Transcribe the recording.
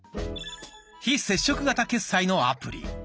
「非接触型決済」のアプリ